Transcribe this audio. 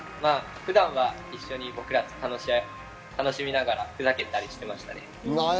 普段は一緒に僕らと楽しみながら、ふざけたりしていました。